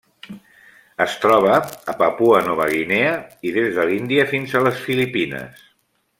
Es troba a Papua Nova Guinea i des de l'Índia fins a les Filipines.